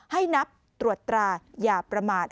ให้นับตรวจตราอย่าประมาท